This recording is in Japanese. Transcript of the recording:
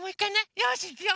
よしいくよ。